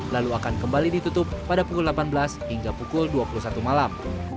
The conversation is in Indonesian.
lalu akan kembali ditutup pada pukul delapan belas hingga pukul dua puluh satu malam